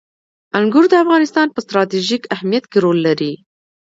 انګور د افغانستان په ستراتیژیک اهمیت کې رول لري.